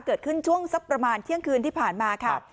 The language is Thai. เกิดขึ้นช่วงสักประมาณเที่ยงคืนที่ผ่านมาค่ะ